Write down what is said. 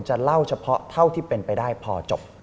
จะเล่าเฉพาะเท่าที่เป็นไปได้พอจบ